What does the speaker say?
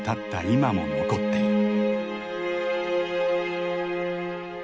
今も残っている。